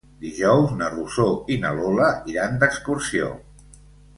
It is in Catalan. Dijous na Rosó i na Lola iran d'excursió.